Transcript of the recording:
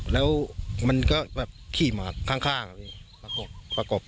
แล้วมันก็ขี่มาข้างประกบ